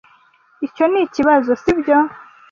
Icyo nikibazo, sibyo?